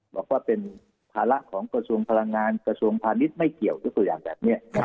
บอกว่าเป็นภาระของกระทรวงพลังงานกระทรวงพาณิชย์ไม่เกี่ยวยกตัวอย่างแบบนี้